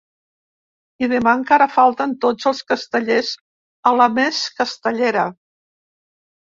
I demà encara falten tots els castellers a la més castellera.